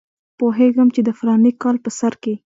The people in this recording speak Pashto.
پوهېږم چې د فلاني کال په سر کې.